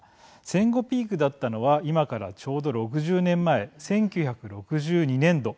戦後、ピークだったのは今からちょうど６０年前１９６２年度。